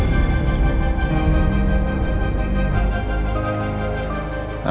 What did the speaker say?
jadi dia sudah pulang dari semalam